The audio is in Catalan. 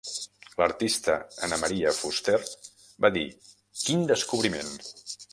L'artista Anna Maria Foster va dir: Quin descobriment!